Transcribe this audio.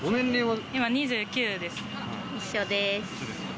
２９です。